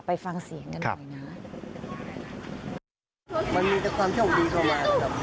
ไปฟังเสียงกันหน่อยนะ